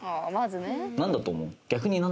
何だと思う？